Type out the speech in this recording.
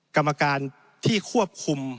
กรรมการที่ควบคุม